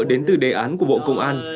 đến từ đề án của bộ công an